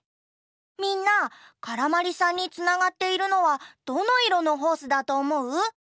みんなからまりさんにつながっているのはどのいろのホースだとおもう？